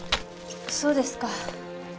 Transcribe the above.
そうですか。